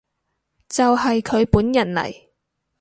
就係佢本人嚟